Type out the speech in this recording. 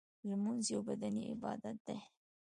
لمونځ یو بدنی عبادت دی .